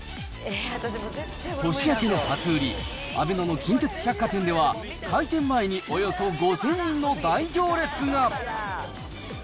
年明けの初売り、あべのの近鉄百貨店では、開店前におよそ５０００人の大行列が。